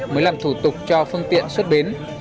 mới làm thủ tục cho phương tiện xuất bến